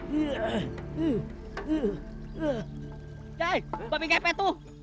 jaya babi gepet tuh